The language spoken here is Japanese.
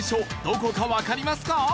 どこかわかりますか？